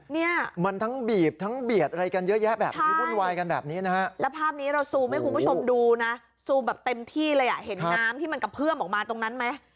เนี่ยมันทั้งบีบทั้งเบียดอะไรกันเยอะแยะแบบนี้วุ่นวายกันแบบนี้นะฮะแล้วภาพนี้เราซูมให้คุณผู้ชมดูนะซูมแบบเต็มที่เลยอ่ะเห็นน้ำที่มันกระเพื่อมออกมาตรงนั้นไหม